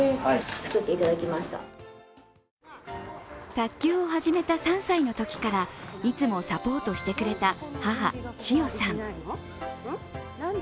卓球を始めた３歳のときからいつもサポートしてくれた母・千代さん。